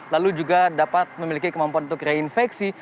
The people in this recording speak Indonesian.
lalu juga dapat memiliki kemampuan untuk reinfeksi